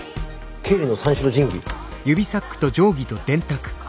経理の三種の神器。